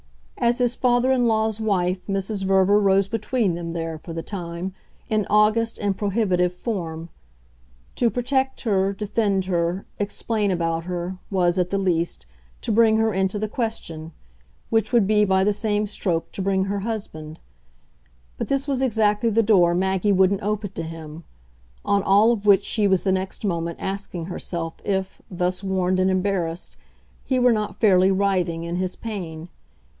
As his father in law's wife Mrs. Verver rose between them there, for the time, in august and prohibitive form; to protect her, defend her, explain about her, was, at the least, to bring her into the question which would be by the same stroke to bring her husband. But this was exactly the door Maggie wouldn't open to him; on all of which she was the next moment asking herself if, thus warned and embarrassed, he were not fairly writhing in his pain.